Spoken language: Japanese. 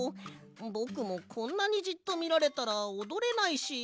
ぼくもこんなにじっとみられたらおどれないし。